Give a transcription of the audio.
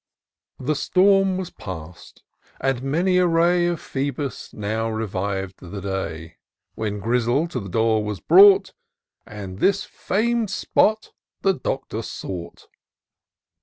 The storm was past, and many a ray Of Phoebus now reviv'd the day, When Grizzle to the door was brought. And this fam'd spot the Doctor sought.